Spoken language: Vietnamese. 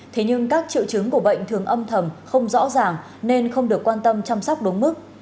thế nhưng các triệu chứng của bệnh thường âm thầm không rõ ràng nên không được quan tâm chăm sóc đúng mức